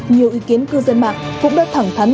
nhiều ý kiến cư dân mạng cũng đã thẳng thắn